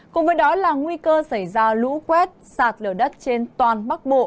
cùng với đó là nguy cơ xảy ra lũ quét sạt lở đất trên toàn bắc bộ